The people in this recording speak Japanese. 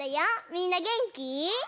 みんなげんき？